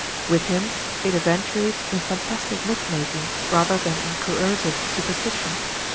With him it eventuates in fantastic myth making, rather than in coercive superstition.